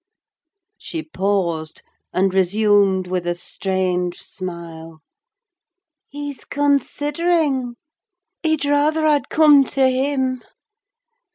She paused, and resumed with a strange smile. "He's considering—he'd rather I'd come to him!